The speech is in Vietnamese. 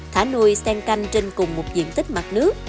thả nuôi sen canh trên cùng một diện tích mặt nước